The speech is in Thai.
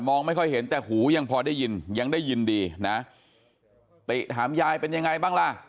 ไม่ค่อยเห็นแต่หูยังพอได้ยินยังได้ยินดีนะติถามยายเป็นยังไงบ้างล่ะ